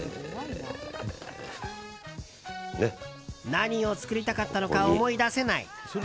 何を作りたかったのか思い出せない。